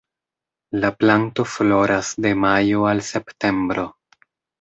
La planto floras de majo al septembro.